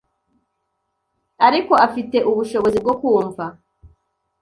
ariko afite ubushobozi bwo kumva